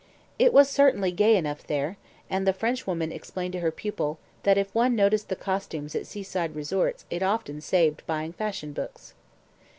It was certainly gay enough there, and the Frenchwoman explained to her pupil "that if one noticed the costumes at seaside resorts it often saved buying fashion books."